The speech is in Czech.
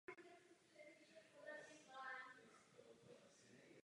Každý rok se zde také koná slavnost jablek.